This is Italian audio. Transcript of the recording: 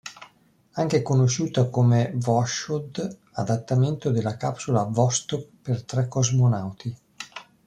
Anche conosciuta come Voschod, adattamento della capsula Vostok per tre cosmonauti.